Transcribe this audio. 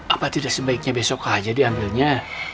apa tidak sebaiknya besok saja diambilnya